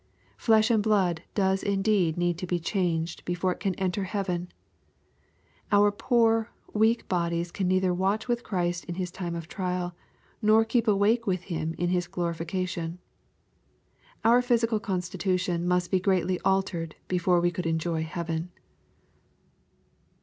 Flesh I and blood does indeed need to be changed before it can enter I heaven ! Our poor, weak bodies can neither watch with Christ in His time of trial, nor keep awake with Him in His glorification. Our physical constitution must be greatly altered before we could enjoy heaven.